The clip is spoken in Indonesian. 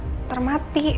ntar nyalan ntar mati